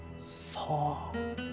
さあ。